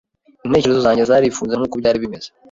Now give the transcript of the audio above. Intekerezo zanjye zarifunze, nk’uko byari bimeze,